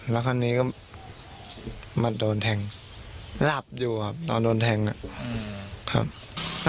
แล้วคราวนี้ก็มาโดนแทงหลับอยู่ครับตอนโดนแทงอ่ะครับ